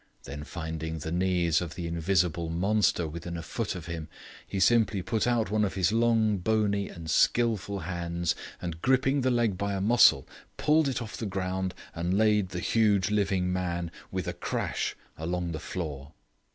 Then finding the knees of the invisible monster within a foot of him, he simply put out one of his long, bony, and skilful hands, and gripping the leg by a muscle pulled it off the ground and laid the huge living man, with a crash, along the floor.